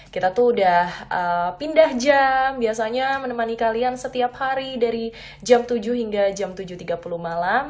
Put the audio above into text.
kita tuh udah pindah jam biasanya menemani kalian setiap hari dari jam tujuh hingga jam tujuh tiga puluh malam